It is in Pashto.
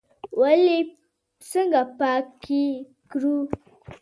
ویالې څنګه پاکې کړو؟